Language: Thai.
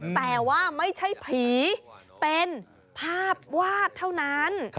แต่ว่าไม่ใช่ผีเป็นภาพวาดเท่านั้น